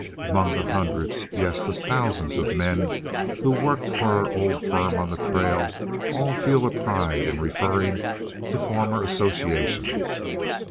Among the hundreds, yes, the thousands, of men who worked for our old firm on the trail, all feel a pride in referring to former associations.